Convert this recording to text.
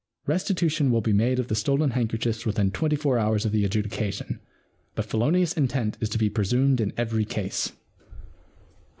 Restitution will be made of the stolen handkerchiefs within twenty four hours of the adjudication, but felonious intent is to be presumed in every case.'